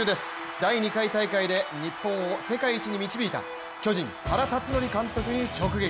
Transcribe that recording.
第２回大会で日本を世界一に導いた巨人・原辰徳監督に直撃。